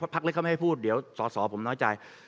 พักเล็กเขาไม่ให้พูดเดี๋ยวสอสอผมน้อยใจ